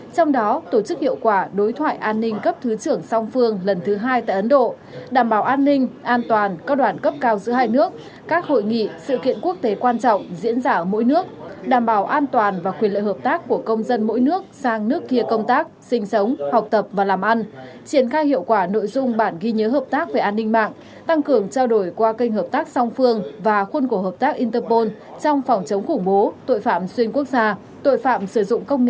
trong đó tổ chức hiệu quả đối thoại an ninh cấp thứ trưởng song phương lần thứ hai tại ấn độ đảm bảo an ninh an toàn cao đoạn cấp cao giữa hai nước các hội nghị sự kiện quốc tế quan trọng diễn ra ở mỗi nước đảm bảo an toàn và quyền lợi hợp tác của công dân mỗi nước sang nước kia công tác sinh sống học tập và làm ăn triển khai hiệu quả nội dung bản ghi nhớ hợp tác về an ninh mạng tăng cường trao đổi qua kênh hợp tác song phương và khuôn cổ hợp tác interpol trong phòng chống khủng bố tội phạm xuyên